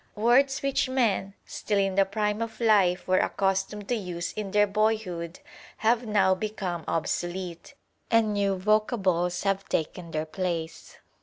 Words which men still in the prime of life were accustomed to use in their boyhood have now become obsolete, and new vocables have taken their place.